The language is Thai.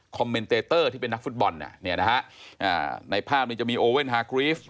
เมนเตเตอร์ที่เป็นนักฟุตบอลน่ะเนี่ยนะฮะในภาพนี้จะมีโอเว่นฮากรีฟ